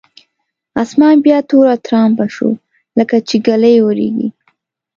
اسمان بیا توره ترامبه شو لکچې ږلۍ اورېږي.